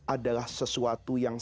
adalah sesuatu yang